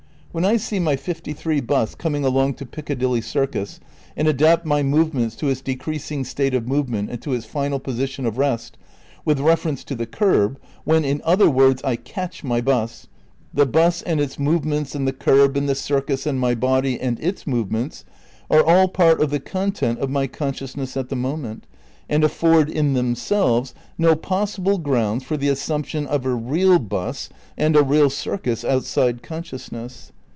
When I see my 53 'bus coming along to Piccadilly Circus and adapt my movements to its decreasing rate of movement and to its final position of rest, with reference to the curb, when, in other words I catch my 'bus, the 'bus and. its movements and the curb and the Circus and my body and its movements are all part of the content of my con sciousness at the moment, and afford in themselves, no possible grounds for the assumption of a "real" 'bus and a "real" Circus outside consciousness.